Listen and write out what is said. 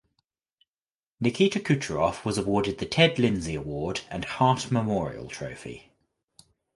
Nikita Kucherov was awarded the Ted Lindsay Award and Hart Memorial Trophy.